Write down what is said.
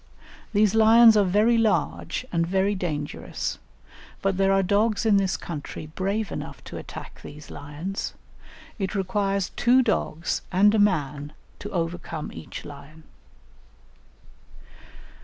These lions are very large and very dangerous, but there are dogs in this country brave enough to attack these lions; it requires two dogs and a man to overcome each lion."